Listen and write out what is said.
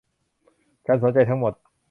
ฉันสนใจทั้งหมด